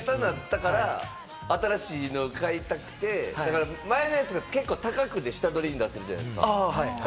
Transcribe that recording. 新型なったから新しいの買いたくて、前のやつが結構高くて、下取りに出すじゃないですか。